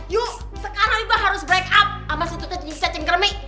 yuk sekarang juga harus break up sama si cacing kermi